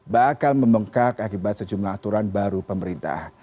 bakal membengkak akibat sejumlah aturan baru pemerintah